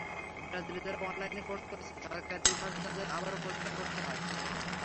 ব্রাজিলে যাঁরা অনলাইনে কোর্স করছেন, সরকারিভাবে তাঁদের আবারও পরীক্ষায় বসতে হয়।